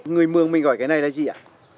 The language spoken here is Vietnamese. người mường mình gọi cái này là gì ạ